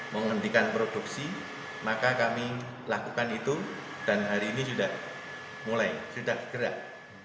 menghentikan produksi maka kami lakukan itu dan hari ini sudah mulai sudah bergerak